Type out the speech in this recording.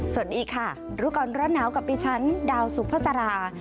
สวัสดีค่ะรุกรรณรัฐหนาวกับดิฉันดาวสุพศรา